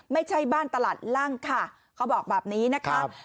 ไม่ใช่บ้านตลาดลั่งค่ะเขาบอกแบบนี้นะคะ